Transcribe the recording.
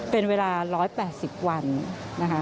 เป็นเวลา๑๘๐วันนะคะ